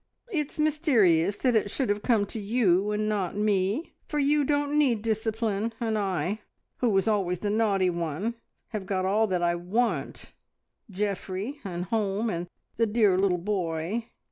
It's mysterious that it should have come to you and not me, for you didn't need discipline, and I, who was always the naughty one, have got all that I want Geoffrey, and home, and the dear little boy.